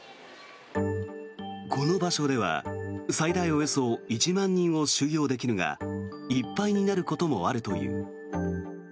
この場所では、最大およそ１万人を収容できるがいっぱいになることもあるという。